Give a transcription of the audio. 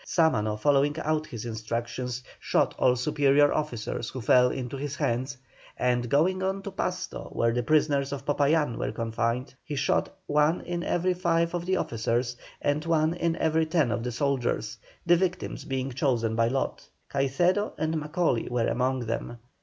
Sámano following out his instructions, shot all superior officers who fell into his hands, and, going on to Pasto where the prisoners of Popayán were confined, he shot one in every five of the officers and one in every ten of the soldiers, the victims being chosen by lot. Caicedo and Macaulay were among them.